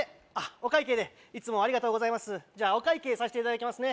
お会計さしていただきますね